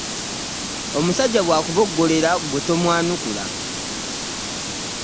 Omusajja bw'akuboggolera gwe tomwanukula